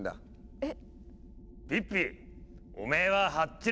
えっ！